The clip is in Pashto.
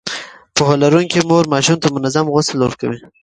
پوهه لرونکې مور ماشوم ته منظم غسل ورکوي.